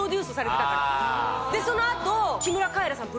その後。